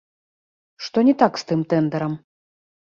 Што не так з тым тэндарам?